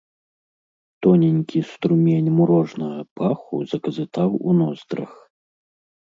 Тоненькі струмень мурожнага паху заказытаў у ноздрах.